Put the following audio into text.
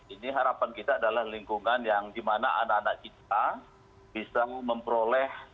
ini harapan kita adalah lingkungan yang dimana anak anak kita bisa memperoleh